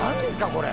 これ。